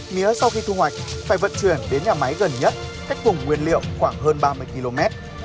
mía sau khi thu hoạch phải vận chuyển đến nhà máy gần nhất cách vùng nguyên liệu khoảng hơn ba mươi km